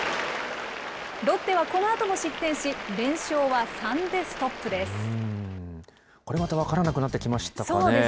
ロッテはこのあとも失点し、連勝は３でストップです。